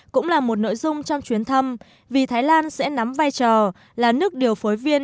cũng là một nội dung trong chuyến thăm vì thái lan sẽ nắm vai trò là nước điều phối viên